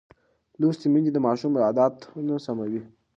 لوستې میندې د ماشوم عادتونه سموي.